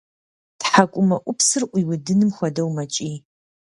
Тхьэкӏумэӏупсыр ӏуиудыным хуэдэу мэкӏий.